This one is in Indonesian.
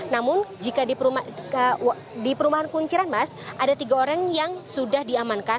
namun jika di perumahan kunciran mas ada tiga orang yang sudah diamankan